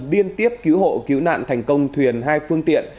liên tiếp cứu hộ cứu nạn thành công thuyền hai phương tiện